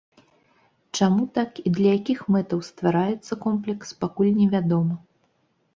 Чаму так і для якіх мэтаў ствараецца комплекс, пакуль невядома.